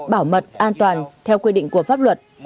bảo mật an toàn theo quy định của pháp luật